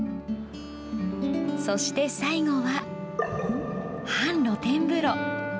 そして最後は、半露天風呂。